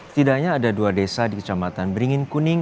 setidaknya ada dua desa di kecamatan beringin kuning